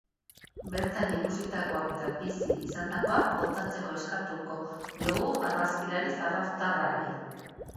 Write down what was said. Bertan ikusitakoak eta bizi izandakoak kontatzeko eskatuko diogu argazkilari zarauztarrari.